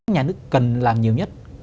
nhà nước cần làm nhiều nhất